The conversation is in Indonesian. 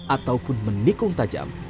ataupun menikung tajam